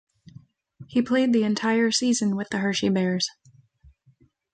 He played the entire season with the Hershey Bears.